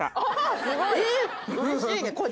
うれしいね。